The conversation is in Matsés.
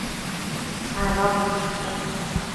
Anobi ushquin